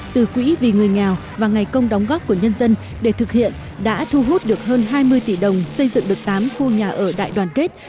từ quỹ vì người nghèo và ngày công đóng góp của nhân dân để thực hiện đã thu hút được hơn hai mươi tỷ đồng xây dựng được tám khu nhà ở đại đoàn kết